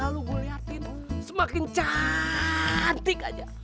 kalo gua liatin semakin cantik aja